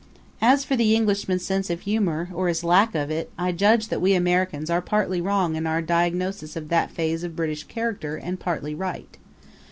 As for the Englishman's sense of humor, or his lack of it, I judge that we Americans are partly wrong in our diagnosis of that phase of British character and partly right.